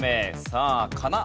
さあかな